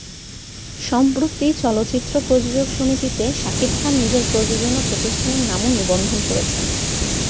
সম্প্রতি চলচ্চিত্র প্রযোজক সমিতিতে শাকিব খান নিজের প্রযোজনা প্রতিষ্ঠানের নামও নিবন্ধন করেছেন।